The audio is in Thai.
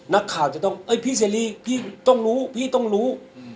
นักข่าวจะต้องเอ้ยพี่เสรีพี่ต้องรู้พี่ต้องรู้